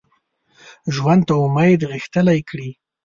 ژوند ته امید غښتلی کړي